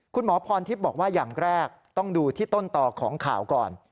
คุณหมอพรทิพย์บอกว่าอย่างแรกต้องดูที่ต้นต่อของข่าวก่อน